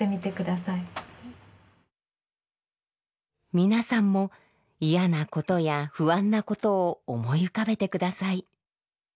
皆さんも嫌なことや不安なことを思い浮かべて下さい。